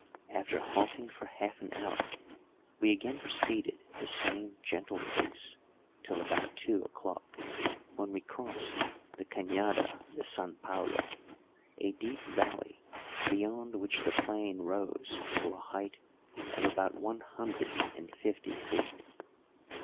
After halting for half an hour, we again proceeded at the same gentle pace till about two o'clock, when we crossed the Cañada de San Paulo, a deep valley beyond which the plain rose to a height of about one hundred and fifty feet.